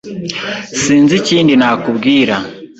Sinzi ikindi nakubwira.